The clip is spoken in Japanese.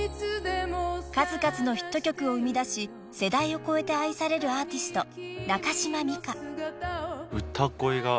［数々のヒット曲を生み出し世代を超えて愛されるアーティスト］